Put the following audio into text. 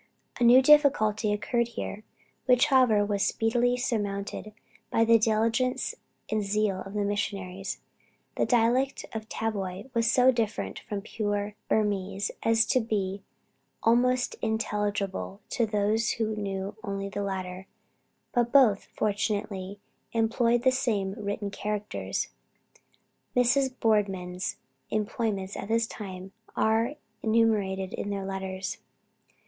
" A new difficulty occurred here, which however was speedily surmounted by the diligence and zeal of the missionaries; the dialect of Tavoy was so different from pure Burmese as to be almost unintelligible to those who knew only the latter, but both, fortunately, employed the same written characters. Mrs. Boardman's employments at this time are enumerated in their letters.